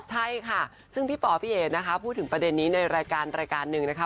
ใช่ค่ะซึ่งพี่ป๋อพี่เอ๋นะคะพูดถึงประเด็นนี้ในรายการรายการหนึ่งนะคะ